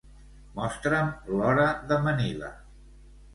Mostra'm l'hora de Manila.